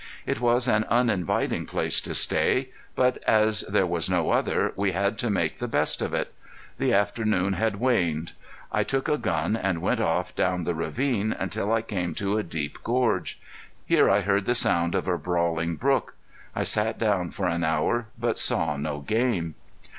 It was an uninviting place to stay, but as there was no other we had to make the best of it. The afternoon had waned. I took a gun and went off down the ravine, until I came to a deep gorge. Here I heard the sound of a brawling brook. I sat down for an hour, but saw no game.